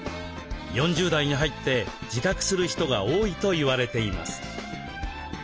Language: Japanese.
４０代に入って自覚する人が多いと言われています。